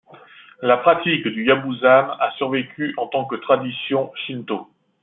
La pratique du yabusame a survécu en tant que tradition shinto.